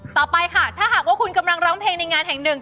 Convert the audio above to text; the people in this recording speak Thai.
ต่อไปค่ะถ้าหากว่าคุณกำลังร้องเพลงในงานแห่งหนึ่ง